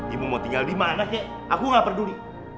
ibu mau tinggal di mana hek aku gak peduli